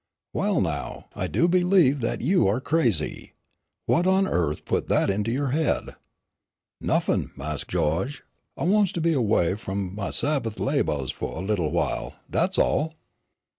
Well, now, I do believe that you are crazy. What on earth put that into your head?" "Nuffin', Mas' Gawge, I wants to be away f'om my Sabbaf labohs fu' a little while, dat's all."